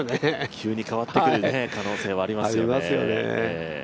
急に変わってくる可能性はありますよね。